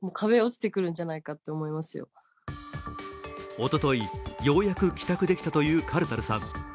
おととい、ようやく帰宅できたというカルタルさん。